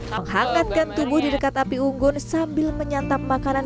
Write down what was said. menghangatkan tubuh di dekat api unggun sambil menyantap makanan